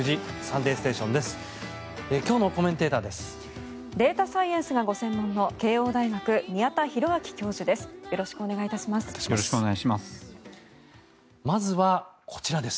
データサイエンスがご専門の慶応大学宮田裕章教授です。